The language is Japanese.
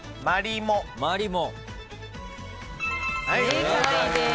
正解です。